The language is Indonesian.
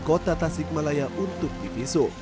kota tasikmalaya untuk diviso